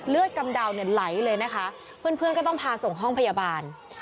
เลือดกำดาวน์เนี้ยไหลเลยนะคะเพื่อนเพื่อนก็ต้องพาส่งห้องพยาบาล